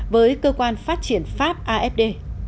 với cơ quan phát triển pháp afd